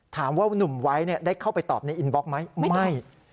หนุ่มไว้ได้เข้าไปตอบในอินบล็อกไหมไม่